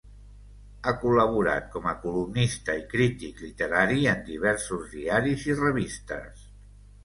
Ha col·laborat com a columnista i crític literari en diversos diaris i revistes.